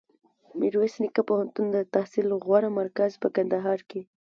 میرویس نیکه پوهنتون دتحصل غوره مرکز په کندهار کي